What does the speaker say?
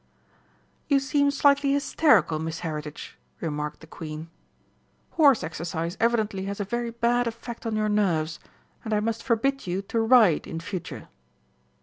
"You seem slightly hysterical, Miss Heritage," remarked the Queen. "Horse exercise evidently has a very bad effect on your nerves, and I must forbid you to ride in future."